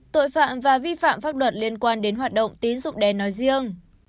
tội phạm và vi phạm pháp luật liên quan đến hoạt động tín dụng đen nói riêng